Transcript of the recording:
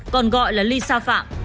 còn gọi là lý sa phạm